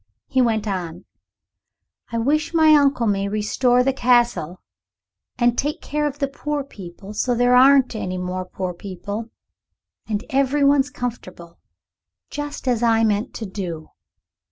He went on "I wish my uncle may restore the Castle, and take care of the poor people so that there aren't any poor people, and every one's comfortable, just as I meant to do."